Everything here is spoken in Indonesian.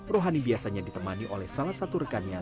rohani biasanya ditemani oleh salah satu rekannya